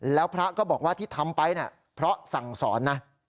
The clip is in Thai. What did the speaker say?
แล้วพระก็บอกว่าที่ทำไปนะเพราะสั่งสอนนะ